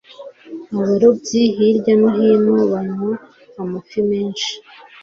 abarobyi hirya no hino banywa amafi menshi